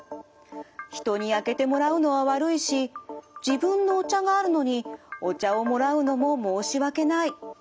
人に開けてもらうのは悪いし自分のお茶があるのにお茶をもらうのも申し訳ない。